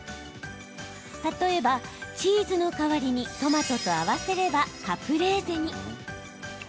例えば、チーズの代わりにトマトと合わせればカプレーゼに。